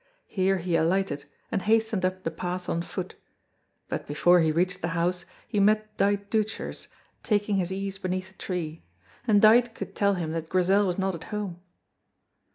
Here he alighted and hastened up the path on foot, but before he reached the house he met Dite Deuchars taking his ease beneath a tree, and Dite could tell him that Grizel was not at home.